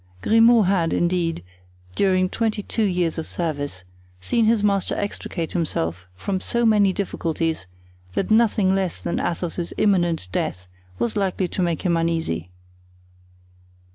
Grimaud had, indeed, during twenty two years of service, seen his master extricate himself from so many difficulties that nothing less than Athos's imminent death was likely to make him uneasy.